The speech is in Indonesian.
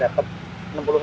dapat enam puluh ribu rupiah